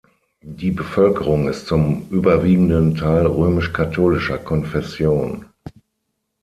Die Bevölkerung ist zum überwiegenden Teil römisch-katholischer Konfession.